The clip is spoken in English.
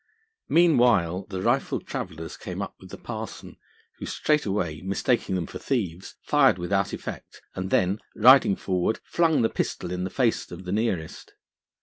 Meanwhile the rifled travellers came up with the parson, who, straightway, mistaking them for thieves, fired without effect, and then, riding forward, flung the pistol in the face of the nearest.